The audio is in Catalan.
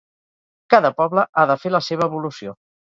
Cada poble ha de fer la seva evolució.